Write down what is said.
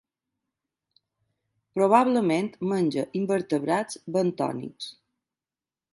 Probablement menja invertebrats bentònics.